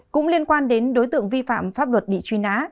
cũng liên quan đến đối tượng vi phạm pháp luật bị truy nã